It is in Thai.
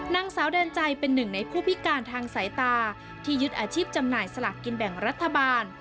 นางสาวแดนใจเป็นหนึ่งในผู้พิการทางสายตาที่ยึดอาชีพจำหน่ายสลากกินแบ่งรัฐบาล